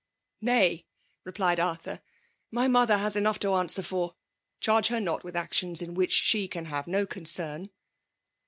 " '<Nay/' xepEed Arthnr> ^my mothet baa enough to answer for. Charge her not with Actions in which &e can hate no concern.